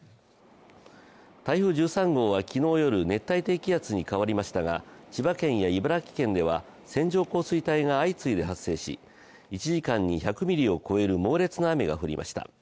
台風１３号は昨日夜、熱帯低気圧に変わりましたが千葉県や茨城県では線状降水帯が相次いで発生し１時間に１００ミリを超える猛烈な雨が降りました。